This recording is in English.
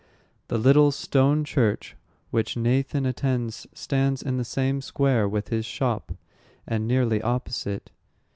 The little stone church which Nathan attends stands in the same square with his shop, and nearly opposite.